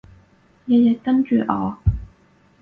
日日跟住我